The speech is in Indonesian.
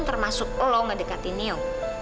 termasuk lo ngedekati niu